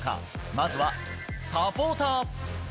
まずは、サポーター。